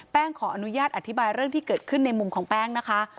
ขออนุญาตอธิบายเรื่องที่เกิดขึ้นในมุมของแป้งนะคะ